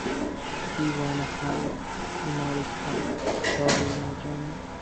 دیوانه خانه، تیمارستان، دارالمجانین